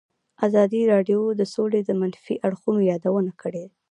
ازادي راډیو د سوله د منفي اړخونو یادونه کړې.